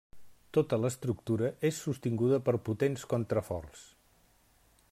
Tota l'estructura és sostinguda per potents contraforts.